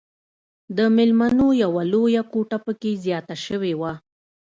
د ميلمنو يوه لويه کوټه پکښې زياته سوې وه.